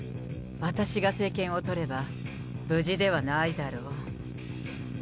私が政権を取れば、無事ではないだろう。